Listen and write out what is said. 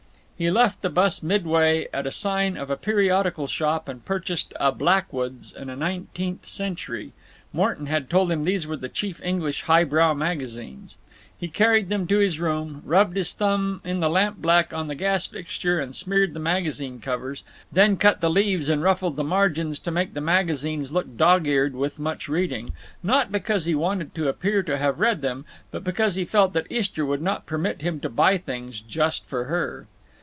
He left the bus midway, at the sign of a periodical shop, and purchased a Blackwood's and a Nineteenth Century. Morton had told him these were the chief English "highbrow magazines." He carried them to his room, rubbed his thumb in the lampblack on the gas fixture, and smeared the magazine covers, then cut the leaves and ruffled the margins to make the magazines look dog eared with much reading; not because he wanted to appear to have read them, but because he felt that Istra would not permit him to buy things just for her.